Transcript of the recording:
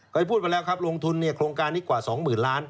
เคยพูดไปแล้วครับลงทุนโครงการนิดกว่า๒๐๐๐๐ล้านบาท